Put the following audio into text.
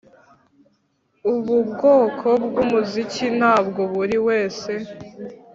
Ubu bwoko bwumuziki ntabwo buriwese